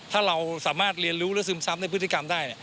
ถ้าเราสามารถเรียนรู้หรือซึมซับในพฤติกรรมได้